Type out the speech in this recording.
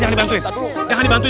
jangan dibantuin jangan dibantuin